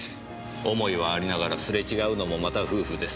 思いはありながらすれ違うのもまた夫婦です。